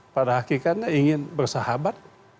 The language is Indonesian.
pada hakikannya ingin bersahabat